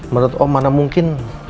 menurut om mana mungkin